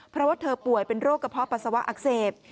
เพราะว่าเธอป่วยเป็นโรคกระเพาะปัสสาวะอักเสบ